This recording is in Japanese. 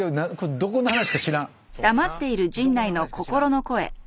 どこの話か知らん。